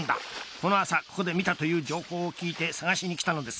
この朝、ここで見たという情報を聞いて探しに来たのです。